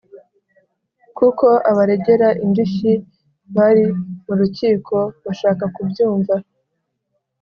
kuko abaregera indishyi bari mu rukiko bashaka kubyumva.